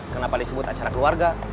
kenapa disebut acara keluarga